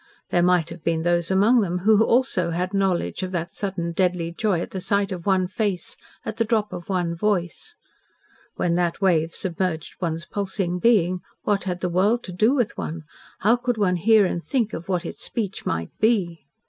There might have been those among them who also had knowledge of that sudden deadly joy at the sight of one face, at the drop of one voice. When that wave submerged one's pulsing being, what had the world to do with one how could one hear and think of what its speech might be?